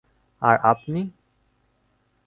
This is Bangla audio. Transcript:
আর আপনি?